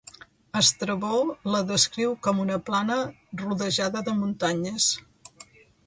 Estrabó la descriu com una plana rodejada de muntanyes.